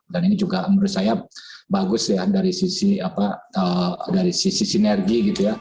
dan ini juga menurut saya bagus dari sisi sinergi